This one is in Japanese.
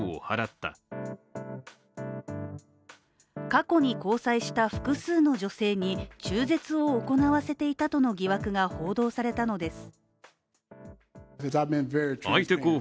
過去に交際した複数の女性に、中絶を行わせていたとの疑惑が報道されたのです。